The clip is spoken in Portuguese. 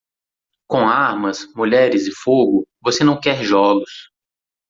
Com armas, mulheres e fogo, você não quer jogos.